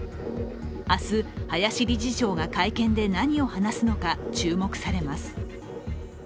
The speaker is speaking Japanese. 明日、林理事長が会見で何を話すのか、注目されます。